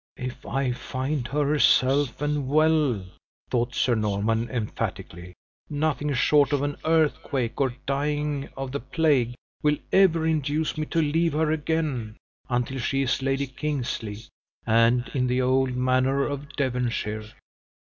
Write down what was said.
"If I find her safe and well," thought Sir Norman, emphatically, "nothing short of an earthquake or dying of the plague will ever induce me to leave her again, until she is Lady Kingsley, and in the old manor of Devonshire.